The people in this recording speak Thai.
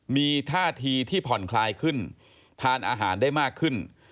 มีท่าทีที่ผ่อนคลายขึ้นทานอาหารได้มากขึ้น